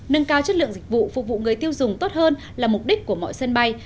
nâng cao chất lượng dịch vụ phục vụ người tiêu dùng tốt hơn là mục đích của mọi sân bay